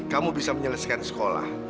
kamu bisa menyelesaikan sekolah